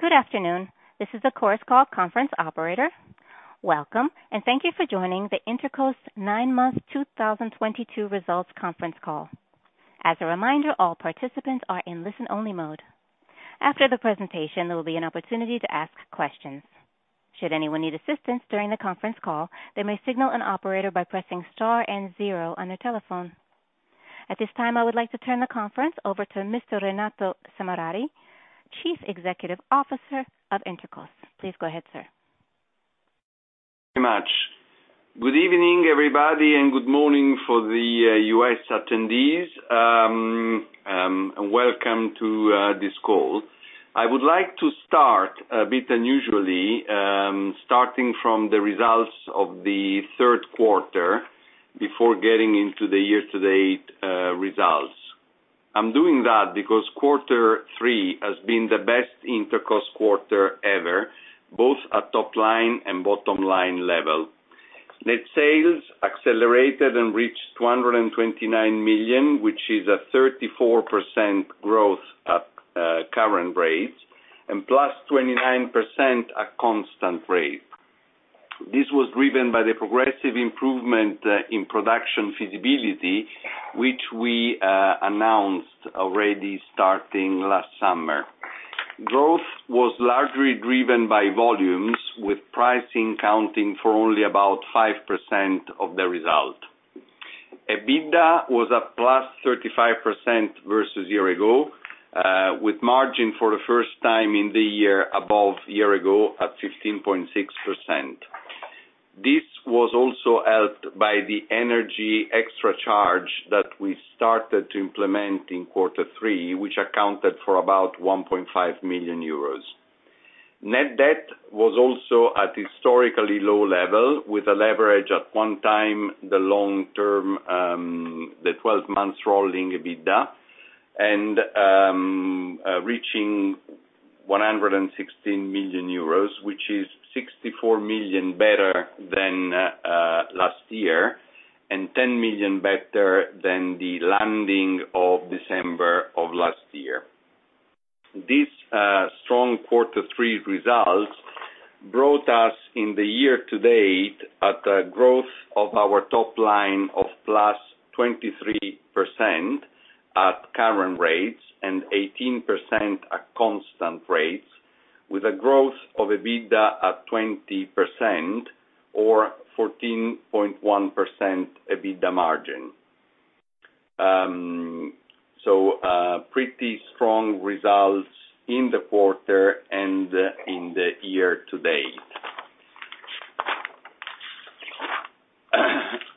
Good afternoon. This is the Chorus Call conference operator. Welcome, and thank you for joining the Intercos nine months 2022 results conference call. As a reminder, all participants are in listen-only mode. After the presentation, there will be an opportunity to ask questions. Should anyone need assistance during the conference call, they may signal an operator by pressing star and zero on their telephone. At this time, I would like to turn the conference over to Mr. Renato Semerari, Chief Executive Officer of Intercos. Please go ahead, sir. Very much. Good evening, everybody, and good morning for the U.S. attendees. Welcome to this call. I would like to start a bit unusually, starting from the results of the third quarter before getting into the year-to-date results. I'm doing that because quarter three has been the best Intercos quarter ever, both at top line and bottom-line level. Net sales accelerated and reached 229 million, which is a 34% growth at current rates, and +29% at constant rate. This was driven by the progressive improvement in production feasibility, which we announced already starting last summer. Growth was largely driven by volumes, with pricing counting for only about 5% of the result. EBITDA was up +35% versus year ago, with margin for the first time in the year above year ago at 15.6%. This was also helped by the energy extra charge that we started to implement in quarter three, which accounted for about 1.5 million euros. Net debt was also at historically low level, with a leverage at one times the long-term, the 12 months rolling EBITDA and reaching 116 million euros, which is 64 million better than last year and 10 million better than the ending of December of last year. These strong quarter three results brought us in the year-to-date at a growth of our top line of +23% at current rates and 18% at constant rates, with a growth of EBITDA at 20% or 14.1% EBITDA margin. Pretty strong results in the quarter and in the year-to-date.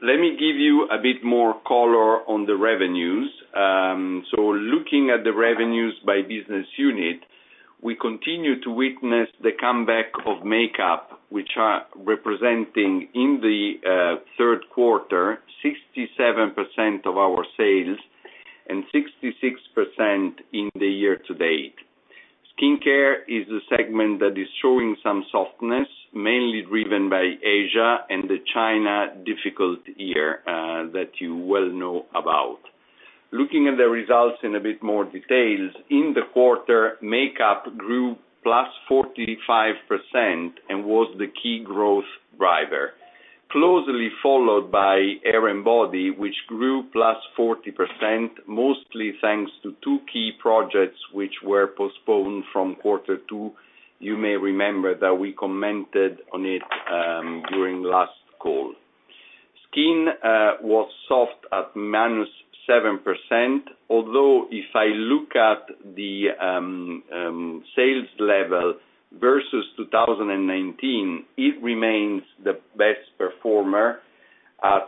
Let me give you a bit more color on the revenues. Looking at the revenues by business unit, we continue to witness the comeback of makeup, which are representing in the third quarter 67% of our sales and 66% in the year-to-date. Skincare is a segment that is showing some softness, mainly driven by Asia and the difficult year in China that you well know about. Looking at the results in a bit more details, in the quarter, makeup grew +45% and was the key growth driver, closely followed by hair and body, which grew +40%, mostly thanks to two key projects which were postponed from quarter two. You may remember that we commented on it during last call. Skin was soft at -7%. Although if I look at the sales level versus 2019, it remains the best performer at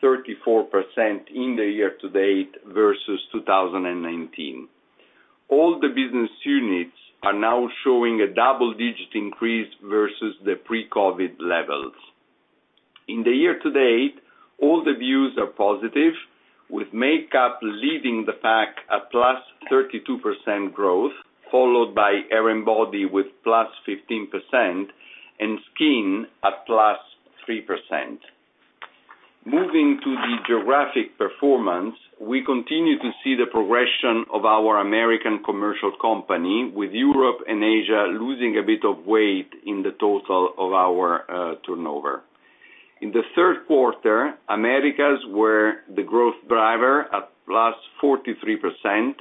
+34% in the year-to-date versus 2019. All the business units are now showing a double-digit increase versus the pre-COVID levels. In the year-to-date, all the views are positive, with makeup leading the pack at +32% growth, followed by hair and body with +15% and skin at +3%. Moving to the geographic performance, we continue to see the progression of our American commercial company, with Europe and Asia losing a bit of weight in the total of our turnover. In the third quarter, Americas were the growth driver at +43%,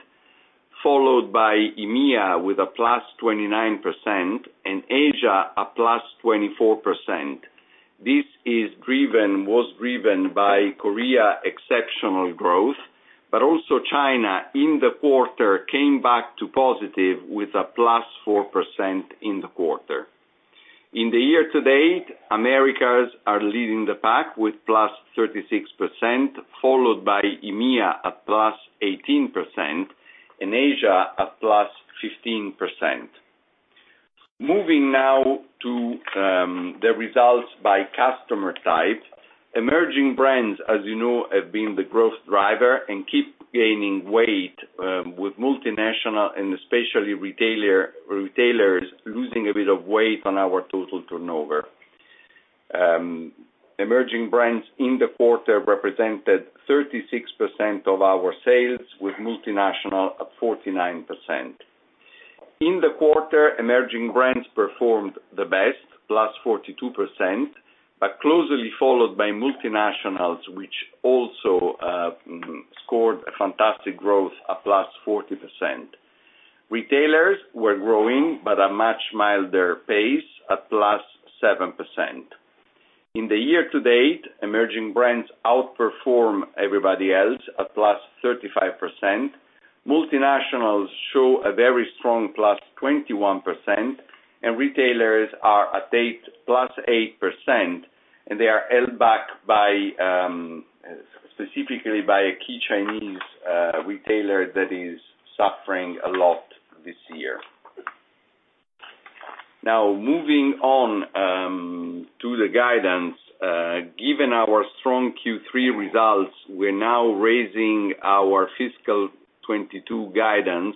followed by EMEA with a +29% and Asia a +24%. This was driven by Korea exceptional growth, but also China in the quarter came back to positive with a +4% in the quarter. In the year-to-date, Americas are leading the pack with +36%, followed by EMEA at +18% and Asia at +15%. Moving now to the results by customer type. Emerging brands, as you know, have been the growth driver and keep gaining weight with multinationals and especially retailers losing a bit of weight on our total turnover. Emerging brands in the quarter represented 36% of our sales, with multinationals at 49%. In the quarter, emerging brands performed the best, +42%, but closely followed by multinationals, which also scored a fantastic growth of +40%. Retailers were growing but at a much milder pace at +7%. In the year-to-date, emerging brands outperform everybody else at +35%. Multinationals show a very strong +21%, and retailers are at +8%, and they are held back by specifically by a key Chinese retailer that is suffering a lot this year. Now moving on to the guidance, given our strong Q3 results, we're now raising our fiscal 2022 guidance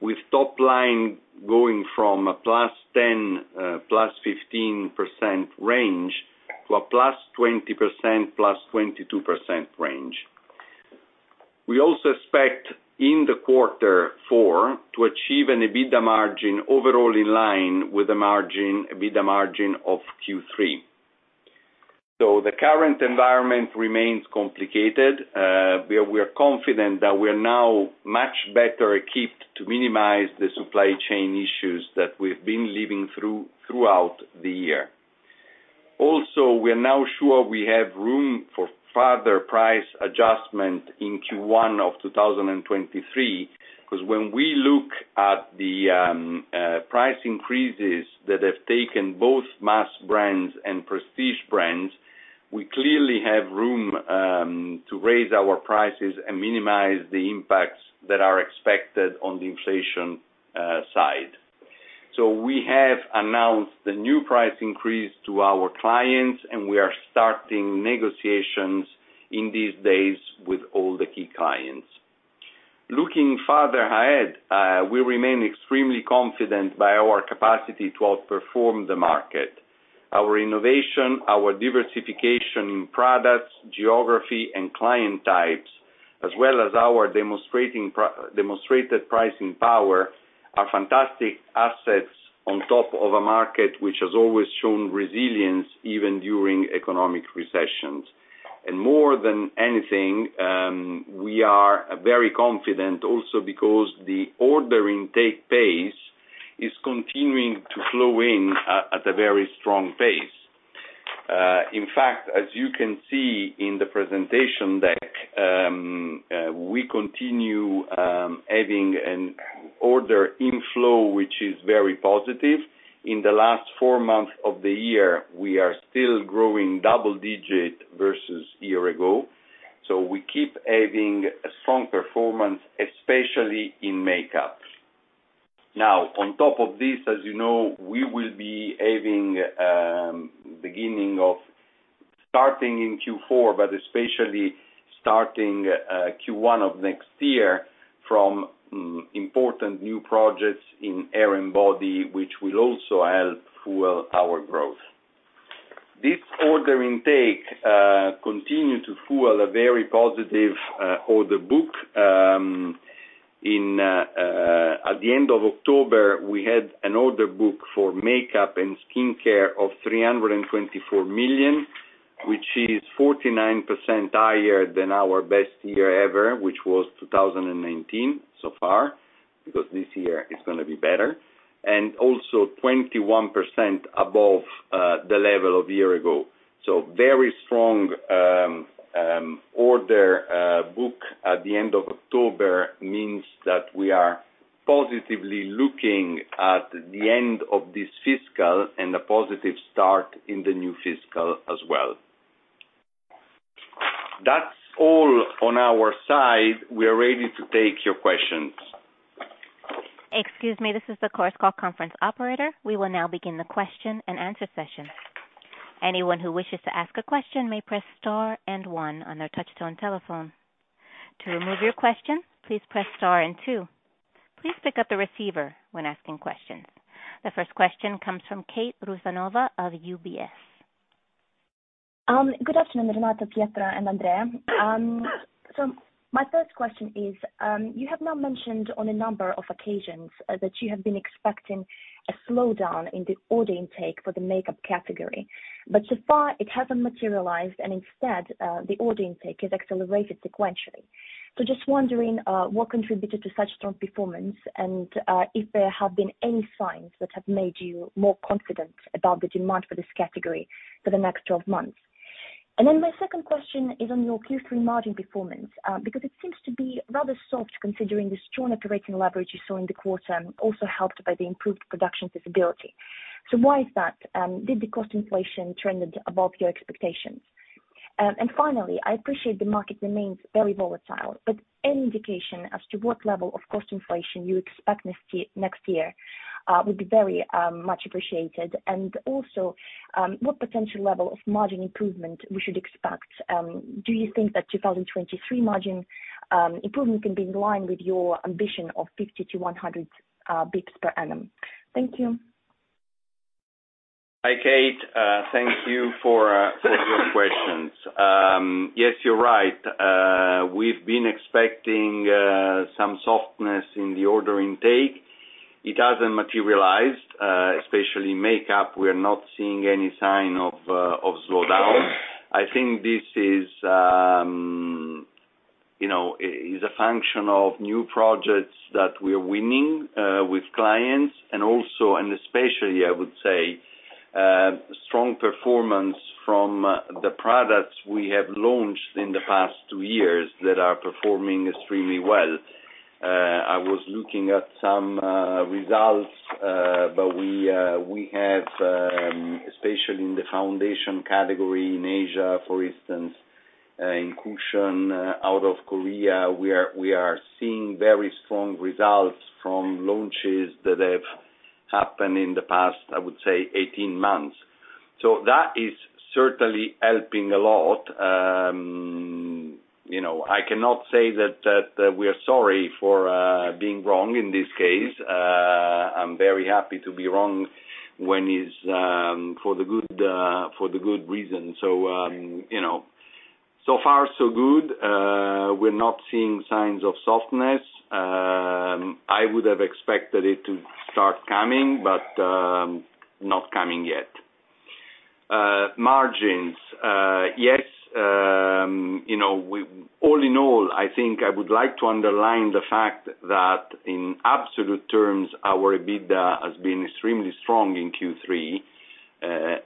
with top line going from a +10%-+15% range to a +20%-+22% range. We also expect in quarter four to achieve an EBITDA margin overall in line with the EBITDA margin of Q3. The current environment remains complicated. We are confident that we are now much better equipped to minimize the supply chain issues that we've been living through throughout the year. Also, we are now sure we have room for further price adjustment in Q1 of 2023, 'cause when we look at the price increases that have taken both mass brands and prestige brands, we clearly have room to raise our prices and minimize the impacts that are expected on the inflation side. We have announced the new price increase to our clients, and we are starting negotiations in these days with all the key clients. Looking further ahead, we remain extremely confident by our capacity to outperform the market. Our innovation, our diversification in products, geography, and client types, as well as our demonstrated pricing power, are fantastic assets on top of a market which has always shown resilience, even during economic recessions. More than anything, we are very confident also because the order intake pace is continuing to flow at a very strong pace. In fact, as you can see in the presentation deck, we continue having an order inflow, which is very positive. In the last four months of the year, we are still growing double-digit versus year ago, so we keep having a strong performance, especially in makeup. Now on top of this, as you know, we will be having starting in Q4, but especially starting Q1 of next year from important new projects in hair and body, which will also help fuel our growth. This order intake continue to fuel a very positive order book. In at the end of October, we had an order book for makeup and skincare of 324 million, which is 49% higher than our best year ever, which was 2019 so far, because this year it's gonna be better, and also 21% above the level of a year ago. Very strong order book at the end of October means that we are positively looking at the end of this fiscal and a positive start in the new fiscal as well. That's all on our side. We're ready to take your questions. Excuse me. This is the Chorus Call conference operator. We will now begin the question-and-answer session. Anyone who wishes to ask a question may press star and one on their touch-tone telephone. To remove your question, please press star and two. Please pick up the receiver when asking questions. The first question comes from Kate Rusanova of UBS. Good afternoon, Renato, Pietro, and Andrea. My first question is, you have now mentioned on a number of occasions that you have been expecting a slowdown in the order intake for the makeup category. So far it hasn't materialized, and instead, the order intake has accelerated sequentially. Just wondering, what contributed to such strong performance, and, if there have been any signs that have made you more confident about the demand for this category for the next 12 months? Then my second question is on your Q3 margin performance, because it seems to be rather soft considering the strong operating leverage you saw in the quarter, and also helped by the improved production visibility. Why is that? Did the cost inflation trend above your expectations? Finally, I appreciate the market remains very volatile, but any indication as to what level of cost inflation you expect next year would be very much appreciated. Also, what potential level of margin improvement we should expect. Do you think that 2023 margin improvement can be in line with your ambition of 50-100 basis points per annum? Thank you. Hi, Kate. Thank you for your questions. Yes, you're right. We've been expecting some softness in the order intake. It hasn't materialized, especially makeup, we are not seeing any sign of slowdown. I think this is, you know, a function of new projects that we're winning with clients and also especially, I would say, strong performance from the products we have launched in the past two years that are performing extremely well. I was looking at some results, but we have especially in the foundation category in Asia, for instance, in cushion out of Korea, we are seeing very strong results from launches that have happened in the past, I would say 18 months. That is certainly helping a lot. You know, I cannot say that we are sorry for being wrong in this case. I'm very happy to be wrong when it's for the good reason. You know, so far so good. We're not seeing signs of softness. I would have expected it to start coming, but not coming yet. Margins. Yes, you know, all in all, I think I would like to underline the fact that in absolute terms, our EBITDA has been extremely strong in Q3.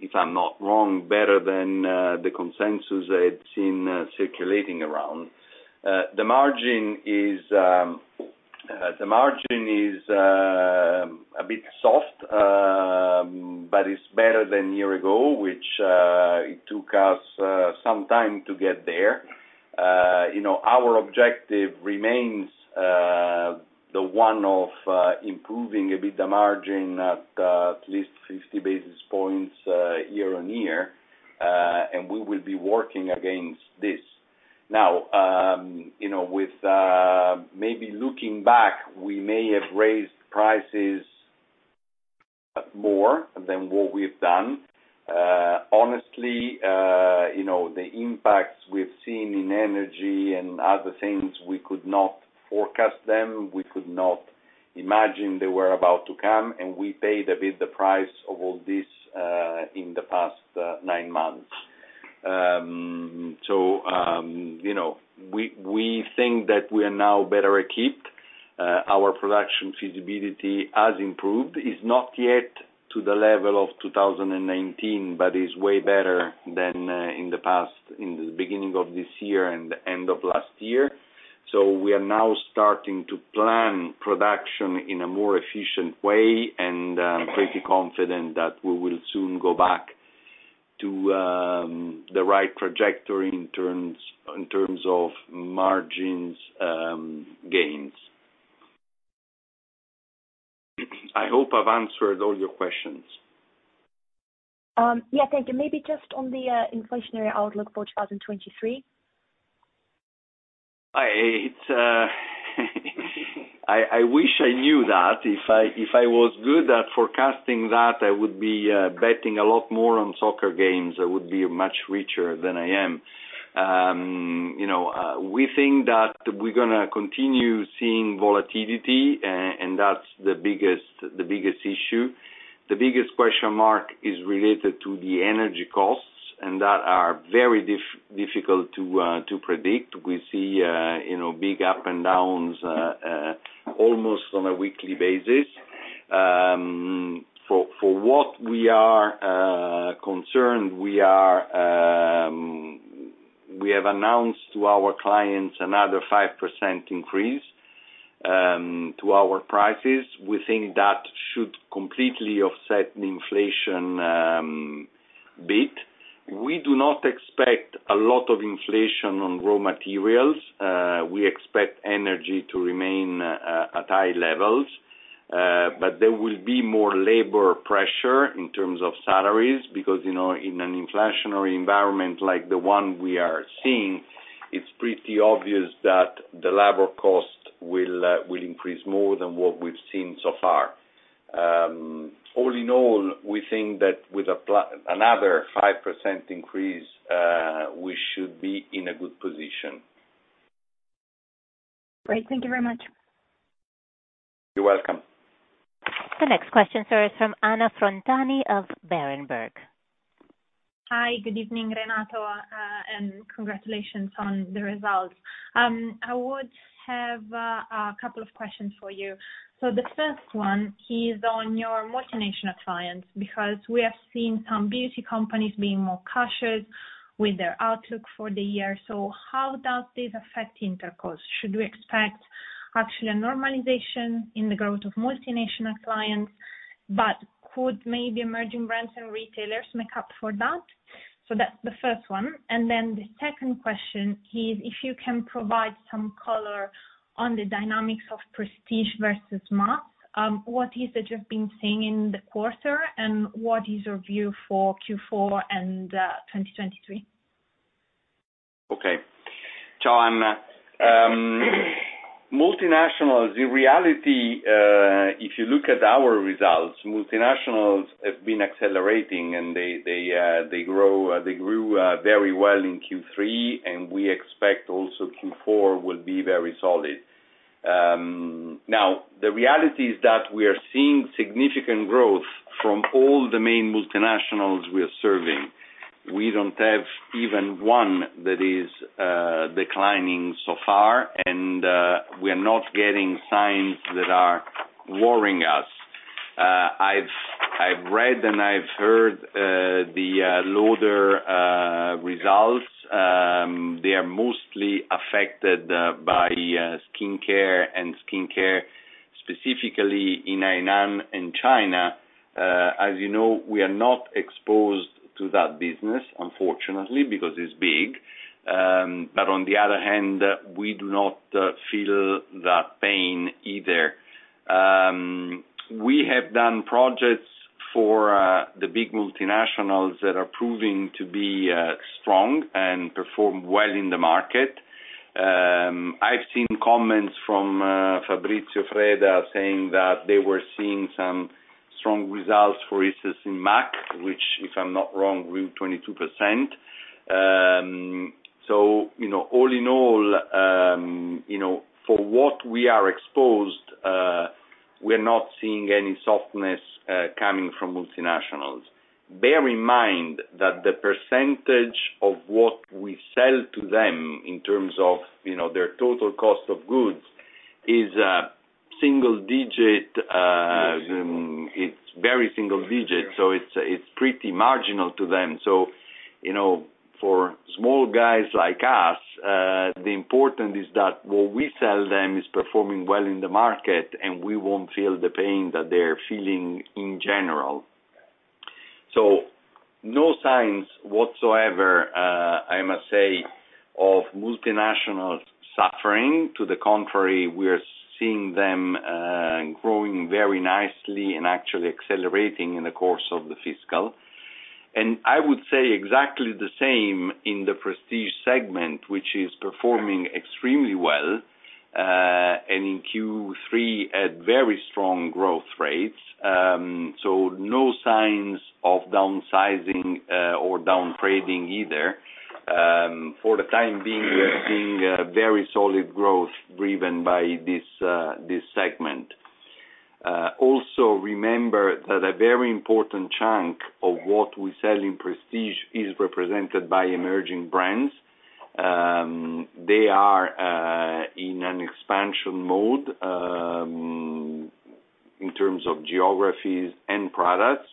If I'm not wrong, better than the consensus I had seen circulating around. The margin is a bit soft, but it's better than year ago, which it took us some time to get there. You know, our objective remains the one of improving EBITDA margin at least 50 basis points year-on-year, and we will be working against this. Now, you know, with maybe looking back, we may have raised prices more than what we've done. Honestly, you know, the impacts we've seen in energy and other things, we could not forecast them, we could not imagine they were about to come, and we paid a bit the price of all this in the past nine months. You know, we think that we are now better equipped. Our production feasibility has improved. It's not yet to the level of 2019, but is way better than in the past, in the beginning of this year and the end of last year. We are now starting to plan production in a more efficient way, and I'm pretty confident that we will soon go back to the right trajectory in terms of margins, gains. I hope I've answered all your questions. Yeah. Thank you. Maybe just on the inflationary outlook for 2023. It's. I wish I knew that. If I was good at forecasting that, I would be betting a lot more on soccer games. I would be much richer than I am. You know, we think that we're gonna continue seeing volatility, and that's the biggest issue. The biggest question mark is related to the energy costs, and that are very difficult to predict. We see, you know, big ups and downs almost on a weekly basis. For what we are concerned, we have announced to our clients another 5% increase to our prices. We think that should completely offset the inflation a bit. We do not expect a lot of inflation on raw materials. We expect energy to remain at high levels, but there will be more labor pressure in terms of salaries, because, you know, in an inflationary environment like the one we are seeing, it's pretty obvious that the labor cost will increase more than what we've seen so far. All in all, we think that with another 5% increase, we should be in a good position. Great. Thank you very much. You're welcome. The next question, sir, is from Anna Frontani of Berenberg. Hi, good evening, Renato, and congratulations on the results. I would have a couple of questions for you. The first one is on your multinational clients, because we have seen some beauty companies being more cautious with their outlook for the year. How does this affect Intercos? Should we expect actually a normalization in the growth of multinational clients, but could maybe emerging brands and retailers make up for that? That's the first one. Then the second question is if you can provide some color on the dynamics of prestige versus mass, what is it you've been seeing in the quarter and what is your view for Q4 and 2023? Okay. Anna, multinationals, in reality, if you look at our results, multinationals have been accelerating, and they grew very well in Q3, and we expect also Q4 will be very solid. Now, the reality is that we are seeing significant growth from all the main multinationals we are serving. We don't have even one that is declining so far, and we are not getting signs that are worrying us. I've read and I've heard the L'Oréal results. They are mostly affected by skincare, and skincare specifically in Hainan in China. As you know, we are not exposed to that business, unfortunately, because it's big. On the other hand, we do not feel that pain either. We have done projects for the big multinationals that are proving to be strong and perform well in the market. I've seen comments from Fabrizio Freda saying that they were seeing some strong results, for instance, in MAC, which if I'm not wrong, grew 22%. You know, all in all, you know, for what we are exposed, we're not seeing any softness coming from multinationals. Bear in mind that the percentage of what we sell to them in terms of, you know, their total cost of goods is single digit. It's very single digit, so it's pretty marginal to them. You know, for small guys like us, the important is that what we sell them is performing well in the market, and we won't feel the pain that they're feeling in general. No signs whatsoever, I must say, of multinationals suffering. To the contrary, we are seeing them growing very nicely and actually accelerating in the course of the fiscal. I would say exactly the same in the prestige segment, which is performing extremely well, and in Q3 at very strong growth rates. No signs of downsizing or downgrading either. For the time being, we are seeing very solid growth driven by this segment. Also remember that a very important chunk of what we sell in prestige is represented by emerging brands. They are in an expansion mode in terms of geographies and products,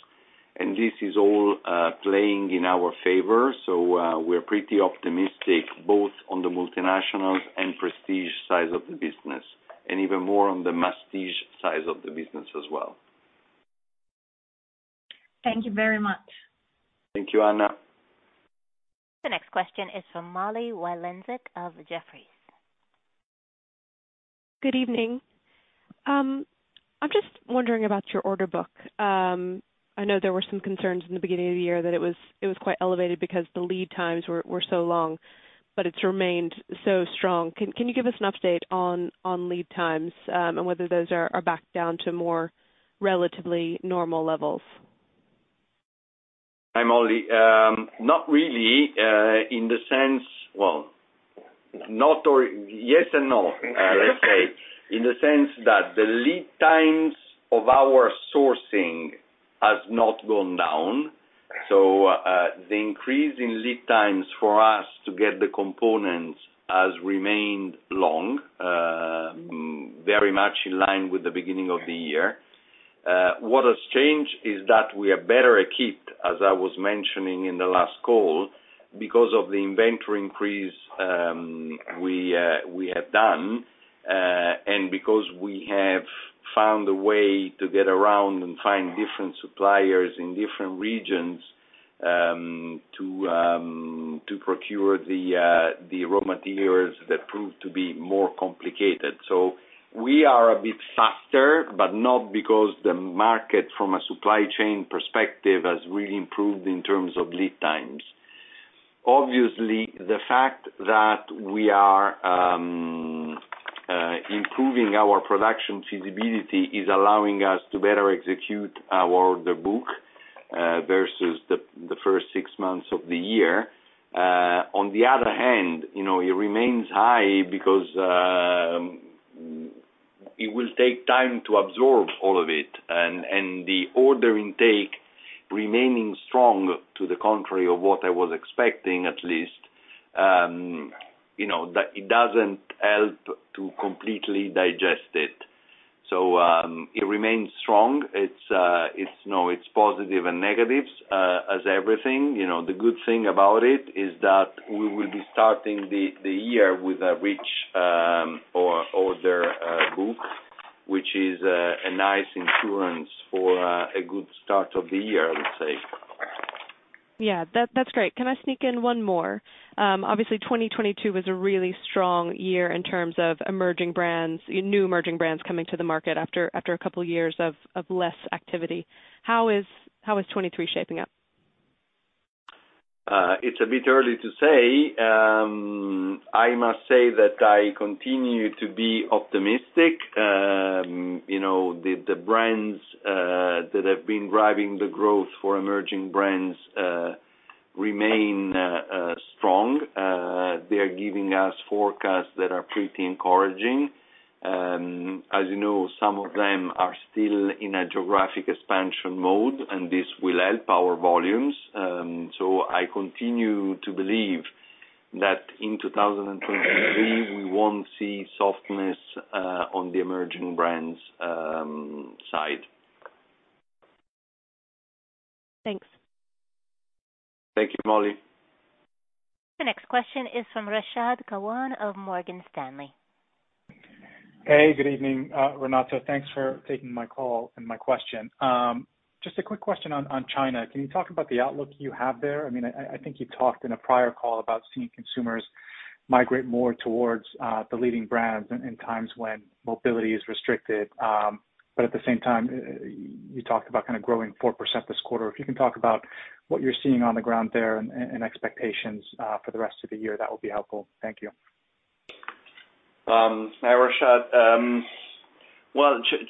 and this is all playing in our favor. We're pretty optimistic both on the multinationals and prestige side of the business, and even more on the masstige side of the business as well. Thank you very much. Thank you, Anna. The next question is from Molly Wylenzek of Jefferies. Good evening. I'm just wondering about your order book. I know there were some concerns in the beginning of the year that it was quite elevated because the lead times were so long, but it's remained so strong. Can you give us an update on lead times, and whether those are back down to more relatively normal levels? Hi, Molly. Not really, in the sense. Well, yes and no, let's say. In the sense that the lead times of our sourcing has not gone down, so the increase in lead times for us to get the components has remained long, very much in line with the beginning of the year. What has changed is that we are better equipped, as I was mentioning in the last call, because of the inventory increase we have done, and because we have found a way to get around and find different suppliers in different regions, to procure the raw materials that prove to be more complicated. We are a bit faster, but not because the market from a supply chain perspective has really improved in terms of lead times. Obviously, the fact that we are improving our production feasibility is allowing us to better execute our order book versus the first six months of the year. On the other hand, you know, it remains high because it will take time to absorb all of it. The order intake remaining strong, to the contrary of what I was expecting, at least, you know, that it doesn't help to completely digest it. It remains strong. It's positive and negatives as everything. You know, the good thing about it is that we will be starting the year with a rich order book, which is a nice insurance for a good start of the year, I would say. Yeah. That's great. Can I sneak in one more? Obviously 2022 was a really strong year in terms of emerging brands, new emerging brands coming to the market after a couple years of less activity. How is 2023 shaping up? It's a bit early to say. I must say that I continue to be optimistic. You know, the brands that have been driving the growth for emerging brands remain strong. They're giving us forecasts that are pretty encouraging. As you know, some of them are still in a geographic expansion mode, and this will help our volumes. I continue to believe that in 2023, we won't see softness on the emerging brands side. Thanks. Thank you, Molly. The next question is from Rashad Kawan of Morgan Stanley. Hey, good evening, Renato. Thanks for taking my call and my question. Just a quick question on China. Can you talk about the outlook you have there? I mean, I think you talked in a prior call about seeing consumers migrate more towards the leading brands in times when mobility is restricted. But at the same time, you talked about kind of growing 4% this quarter. If you can talk about what you're seeing on the ground there and expectations for the rest of the year, that would be helpful. Thank you. Hi Rashad.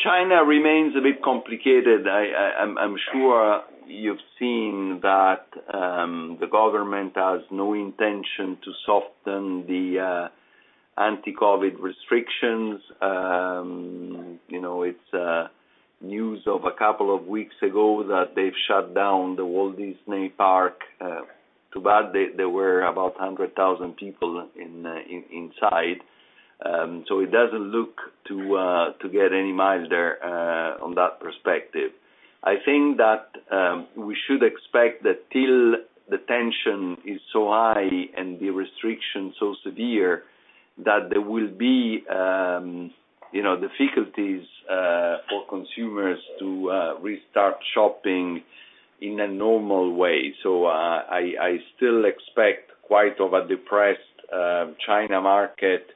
China remains a bit complicated. I'm sure you've seen that the government has no intention to soften the anti-COVID restrictions. You know, it's news of a couple of weeks ago that they've shut down the Walt Disney park. Too bad there were about 100,000 people inside. So it doesn't look to get any milder on that perspective. I think that we should expect that till the tension is so high and the restrictions so severe that there will be, you know, difficulties for consumers to restart shopping in a normal way. I still expect quite a depressed China market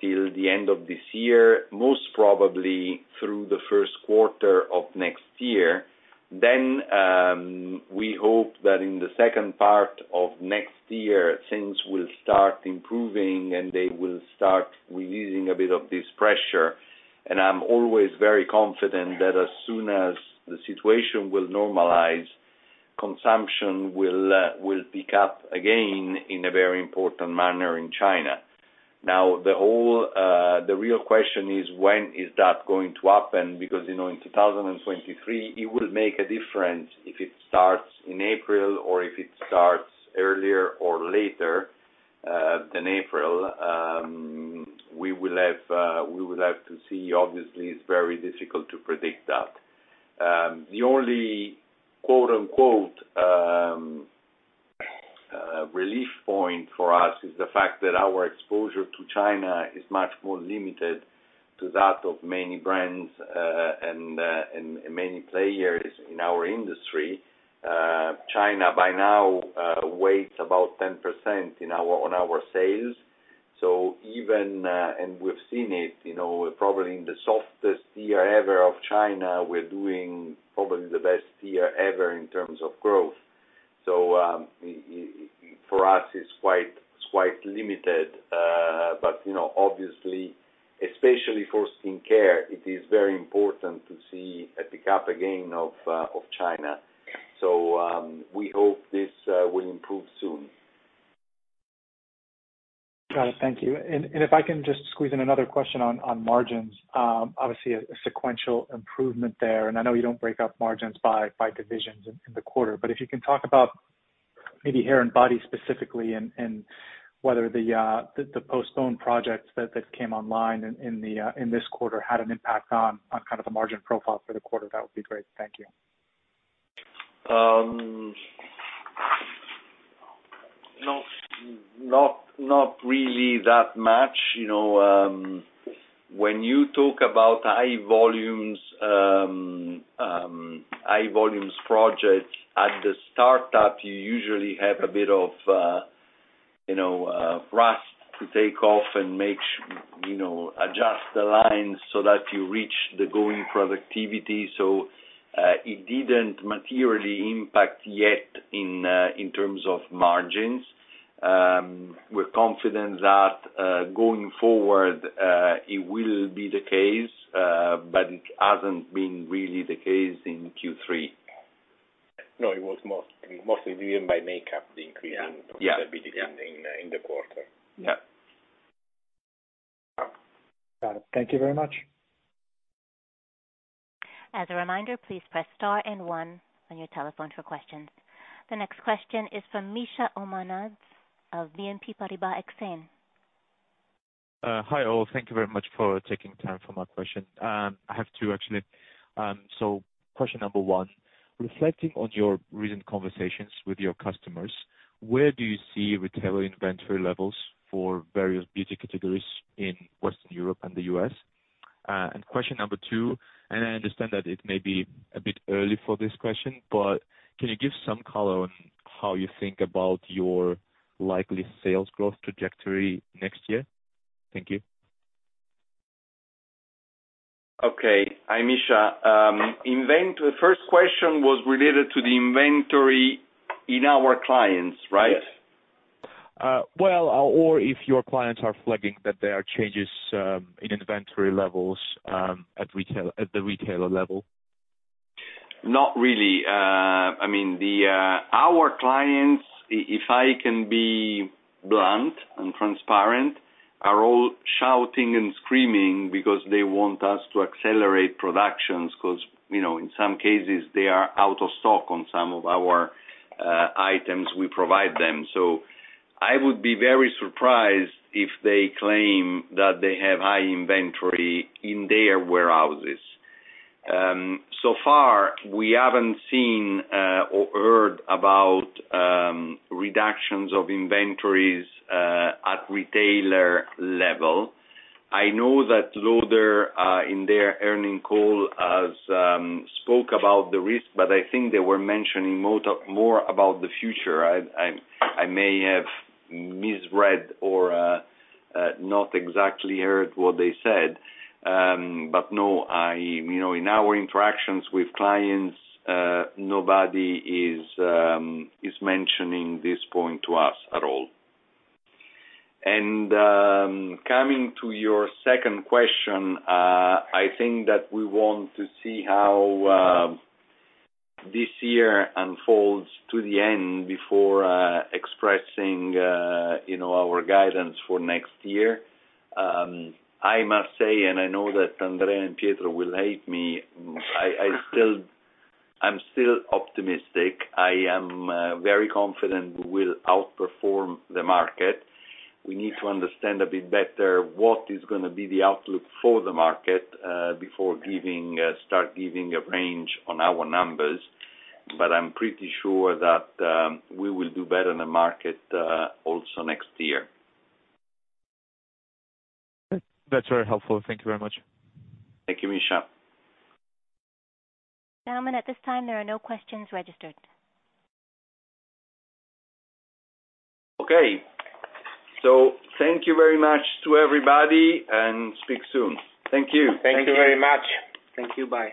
till the end of this year, most probably through the first quarter of next year. We hope that in the second part of next year, things will start improving, and they will start releasing a bit of this pressure. I'm always very confident that as soon as the situation will normalize, consumption will pick up again in a very important manner in China. Now, the whole, the real question is when is that going to happen? Because, you know, in 2023, it will make a difference if it starts in April or if it starts earlier or later than April. We will have to see. Obviously, it's very difficult to predict that. The only, quote-unquote, relief point for us is the fact that our exposure to China is much more limited to that of many brands, and many players in our industry. China by now weighs about 10% in our, on our sales. Even and we've seen it, you know, probably in the softest year ever of China, we're doing probably the best year ever in terms of growth. For us, it's quite limited. You know, obviously, especially for skincare, it is very important to see a pick-up again of China. We hope this will improve soon. Got it. Thank you. If I can just squeeze in another question on margins. Obviously a sequential improvement there, and I know you don't break up margins by divisions in the quarter. If you can talk about maybe hair and body specifically and whether the postponed projects that came online in this quarter had an impact on kind of the margin profile for the quarter, that would be great. Thank you. Not really that much. You know, when you talk about high volumes projects at the startup, you usually have a bit of you know rust to take off and you know adjust the lines so that you reach the going productivity. It didn't materially impact yet in terms of margins. We're confident that going forward it will be the case but it hasn't been really the case in Q3. No, it was mostly driven by makeup, the increase in profitability in the quarter. Yeah. Got it. Thank you very much. As a reminder, please press star and one on your telephone for questions. The next question is from Misha Omanadze of BNP Paribas Exane. Hi, all. Thank you very much for taking time for my question. I have two actually. Question number one, reflecting on your recent conversations with your customers, where do you see retail inventory levels for various beauty categories in Western Europe and the U.S.? Question number two, I understand that it may be a bit early for this question, but can you give some color on how you think about your likely sales growth trajectory next year? Thank you. Okay. Hi, Misha. The first question was related to the inventory in our clients, right? Yes. Well, or if your clients are flagging that there are changes in inventory levels at retail, at the retailer level. Not really. I mean, our clients, if I can be blunt and transparent, are all shouting and screaming because they want us to accelerate productions 'cause, you know, in some cases they are out of stock on some of our items we provide them. I would be very surprised if they claim that they have high inventory in their warehouses. So far, we haven't seen or heard about reductions of inventories at retailer level. I know that L'Oréal in their earnings call has spoke about the risk, but I think they were mentioning more about the future. I may have misread or not exactly heard what they said. No, I you know, in our interactions with clients, nobody is mentioning this point to us at all. Coming to your second question, I think that we want to see how this year unfolds to the end before expressing, you know, our guidance for next year. I must say, and I know that Andrea and Pietro will hate me, I'm still optimistic. I'm very confident we will outperform the market. We need to understand a bit better what is gonna be the outlook for the market before giving a range on our numbers. I'm pretty sure that we will do better in the market also next year. That's very helpful. Thank you very much. Thank you, Misha. Now, at this time, there are no questions registered. Okay. Thank you very much to everybody and speak soon. Thank you. Thank you very much. Thank you. Bye.